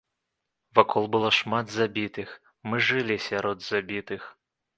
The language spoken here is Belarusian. Вакол было шмат забітых, мы жылі сярод забітых.